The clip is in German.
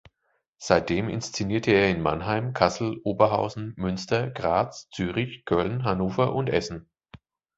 Seitdem inszenierte er in Mannheim, Kassel, Oberhausen, Münster, Graz, Zürich, Köln, Hannover und Essen.